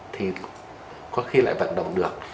thì có khi lại vận động được